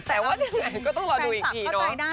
แฟนสับเข้าใจได้นะแต่ก็ต้องรอดูอีกทีเนอะ